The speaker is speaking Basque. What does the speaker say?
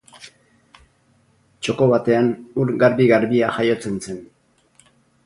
Txoko batean ur garbi-garbia jaiotzen zen.